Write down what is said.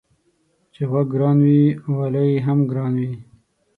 چي غوږ گران وي والى يې هم گران وي.